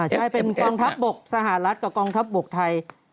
ใช่เป็นกองทัพบกสหรัฐกับกองทัพบกไทย